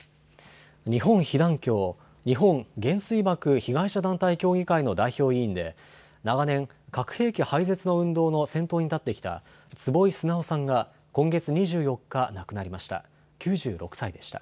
日本被団協・日本原水爆被害者団体協議会の代表委員で長年、核兵器廃絶の運動の先頭に立ってきた坪井直さんが今月２４日、亡くなりました。